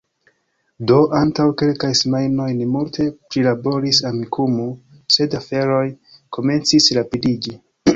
Do, antaŭ kelkaj semajnoj ni multe prilaboris Amikumu, sed aferoj komencis rapidiĝi